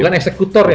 bukan eksekutor ya pak